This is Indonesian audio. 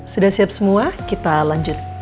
sudah siap semua kita lanjut